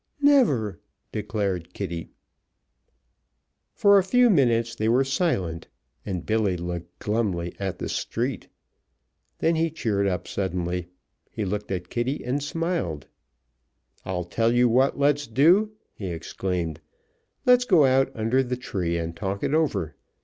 "Never!" declared Kitty. For a few minutes they were silent, and Billy looked glumly at the street. Then he cheered up suddenly. He looked at Kitty and smiled. "I'll tell you what let's do!" he exclaimed. "Let's go out under the tree and talk it over.